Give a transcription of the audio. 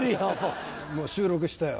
もう収録したよ。